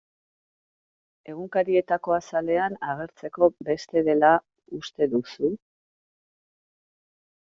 Egunkarietako azalean agertzeko beste dela uste duzu?